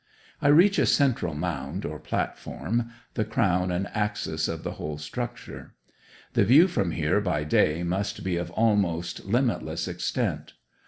I reach a central mound or platform the crown and axis of the whole structure. The view from here by day must be of almost limitless extent.